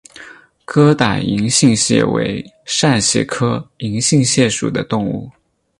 疙瘩银杏蟹为扇蟹科银杏蟹属的动物。